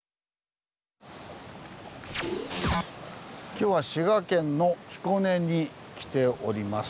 今日は滋賀県の彦根に来ております。